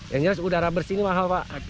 yang jelas udara bersih ini mahal pak